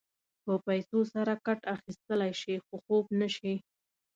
په پیسو سره کټ اخيستلی شې خو خوب نه شې.